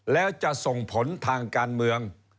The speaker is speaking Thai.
แล้วจะส่งผลทางการเมือง